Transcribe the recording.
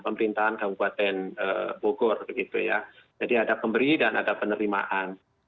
pemerintahan kabupaten bogor begitu ya jadi ada pemberi dan ada penerimaan